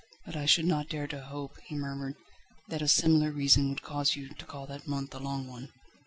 "But I should not dare to hope," he murmured, "that a similar reason would cause you to call that month a long one."